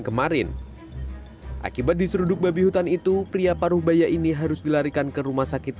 kemarin akibat diseruduk babi hutan itu pria paruh bayak ini harus dilarikan ke rumah sakit